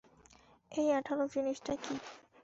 এই আঠালো জিনিসটা কি?